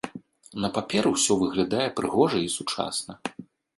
На паперы ўсё выглядае прыгожа і сучасна.